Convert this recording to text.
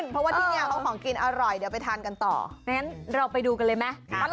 ปลอดฤทธิ์ตลาดยิ่งเจริญไปจ้าไปจ้า